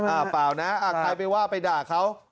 เปล่านะใครไปว่าไปด่าเขา